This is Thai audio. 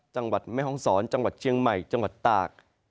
จังหวัดแม่ห้องศรจังหวัดเชียงใหม่จังหวัดตาก